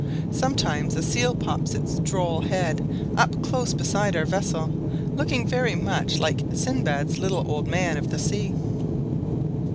Sometimes a seal pops its droll head up close beside our vessel, looking very much like Sinbad's little old man of the sea.